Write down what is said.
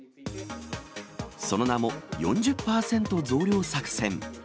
その名も、４０％増量作戦。